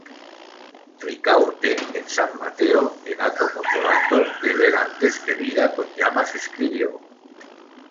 Ricaurte en San Mateo en átomos volando, deber antes que vida con llamas escribió.